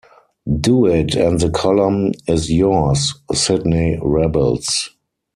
"Do it and the column is yours." Sidney rebels.